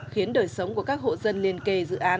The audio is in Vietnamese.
khiến đời sống của các hộ dân liên kề dự án